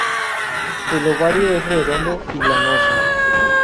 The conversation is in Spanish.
El ovario es redondo y lanoso.